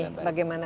nah ini bagaimana